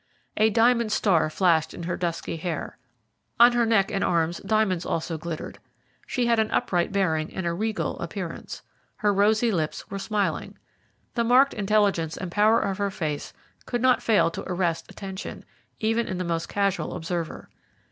A diamond star flashed in her dusky hair. On her neck and arms diamonds also glittered. She had an upright bearing and a regal appearance. Her rosy lips were smiling. The marked intelligence and power of her face could not fail to arrest attention, even in the most casual observer.